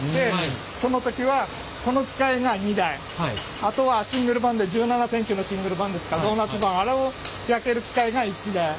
あとはシングル盤で１７センチのシングル盤ですかドーナツ盤あれを焼ける機械が１台。